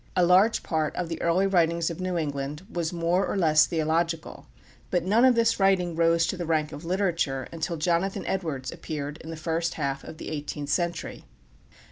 A large part of the early writings of New England was more or less theological; but none of this writing rose to the rank of literature until Jonathan Edwards appeared in the first half of the eighteenth century.